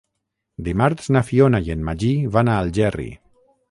Dimarts na Fiona i en Magí van a Algerri.